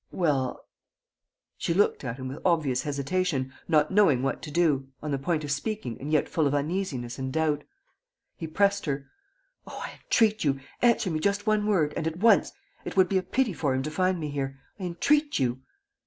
"Well...." She looked at him with obvious hesitation, not knowing what to do, on the point of speaking and yet full of uneasiness and doubt. He pressed her: "Oh, I entreat you ... answer me just one word ... and at once.... It would be a pity for him to find me here.... I entreat you...."